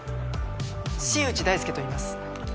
新内大輔といいます。